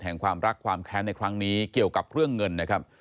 ความรักความแค้นในครั้งนี้เกี่ยวกับเรื่องเงินนะครับ